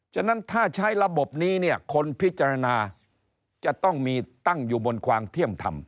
ฉะนั้นถ้าใช้ระบบนี้เนี่ยคนพิจารณาจะต้องมีตั้งอยู่บนความเที่ยงธรรม